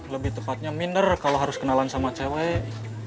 lebih tepatnya minner kalau harus kenalan sama cewek